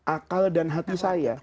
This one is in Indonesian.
akal dan hati saya